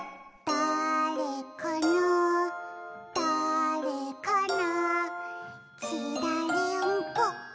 「だぁれかなだぁれかな」